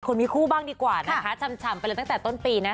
มีคู่บ้างดีกว่านะคะฉ่ำไปเลยตั้งแต่ต้นปีนะ